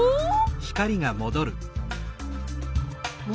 お？